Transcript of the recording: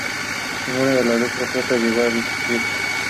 Ninguna de las dos propuestas llegó a discutirse.